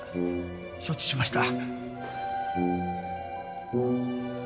承知しました。